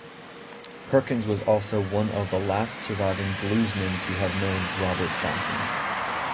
Perkins was also one of the last surviving bluesmen to have known Robert Johnson.